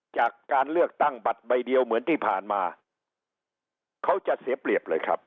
จากการเลือกตั้งบัตรใบเดียวเหมือนที่ผ่านมาเขาจะเสียเปรียบเลยครับ